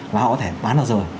và họ có thể bán ra rồi